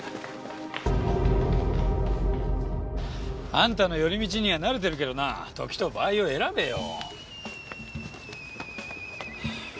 あんたの寄り道には慣れてるけどな時と場合を選べよ。